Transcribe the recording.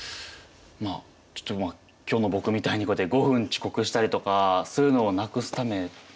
まあちょっとまあ今日の僕みたいにこうやって５分遅刻したりとかそういうのをなくすためですか？